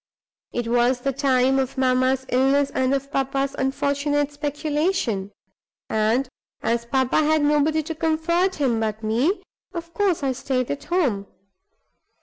It was the time of mamma's illness and of papa's unfortunate speculation; and as papa had nobody to comfort him but me, of course I stayed at home.